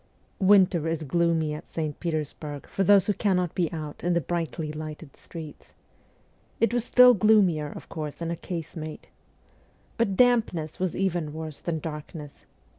Winter is gloomy at St. Petersburg for those who cannot be out in the brightly lighted streets. It was still gloomier, of course, in a casemate. But dampness was even worse than darkness.